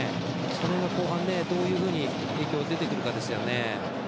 それが後半、どういうふうに影響が出てくるかですね。